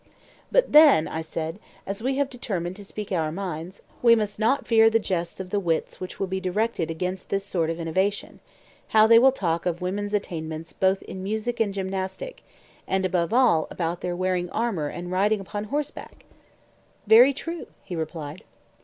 But then, I said, as we have determined to speak our minds, we must not fear the jests of the wits which will be directed against this sort of innovation; how they will talk of women's attainments both in music and gymnastic, and above all about their wearing armour and riding upon horseback! Very true, he replied.